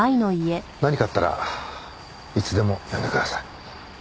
何かあったらいつでも呼んでください。